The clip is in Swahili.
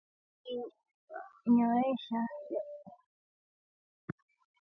yaliyoonyesha ushindi wa rais wa nchi hiyo bonnie yai